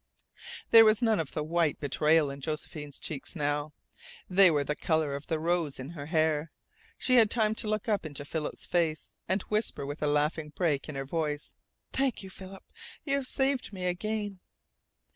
There was none of the white betrayal in Josephine's cheeks now. They were the colour of the rose in her hair. She had time to look up into Philip's face, and whisper with a laughing break in her voice: "Thank you, Philip. You have saved me again."